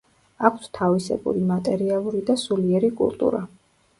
აქვთ თავისებული მატერიალური და სულიერი კულტურა.